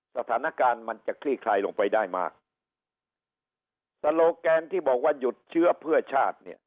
สถานการณ์มันจะคลี่คลายลงไปได้มากสโลแกนที่บอกว่าหยุดเชื้อเพื่อชาติเนี่ย